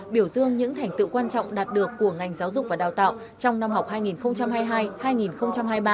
biểu dương những thành tựu quan trọng đạt được của ngành giáo dục và đào tạo trong năm học hai nghìn hai mươi hai hai nghìn hai mươi ba